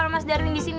kalo mas darwin disini